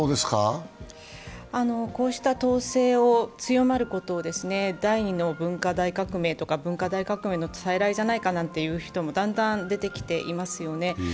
こうした統制を強まることを第二の文化大革命とか文化大革命の再来じゃないかと言う人もだんだん出てきてますよね。